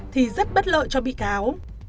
thì rất bất lợi cho bị cáo